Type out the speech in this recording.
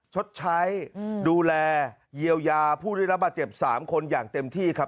ชดใช้ดูแลเยียวยาผู้ได้รับบาดเจ็บ๓คนอย่างเต็มที่ครับ